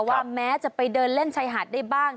แม้จะไปเดินเล่นชายหาดได้บ้าง